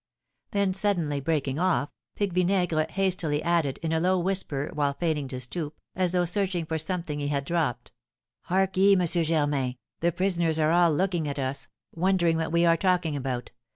Then suddenly breaking off, Pique Vinaigre hastily added, in a low whisper, while feigning to stoop, as though searching for something he had dropped, "Hark ye, M. Germain, the prisoners are all looking at us, wondering what we are talking about.